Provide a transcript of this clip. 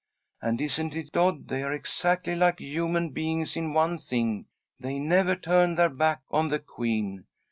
And isn't it odd, they are exactly like human beings in one thing, they never turn their back on the queen.